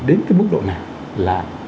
đến cái mức độ nào là